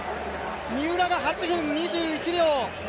三浦が８分２１秒。